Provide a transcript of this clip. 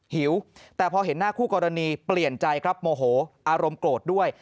หิวแต่พอเห็นหน้าคู่กรณีเปลี่ยนใจครับโมโหอารมณ์โกรธด้วย